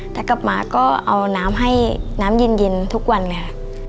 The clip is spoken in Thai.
ถ้ากลับมาก็เอาน้ำให้น้ำเย็นทุกวันเลยค่ะ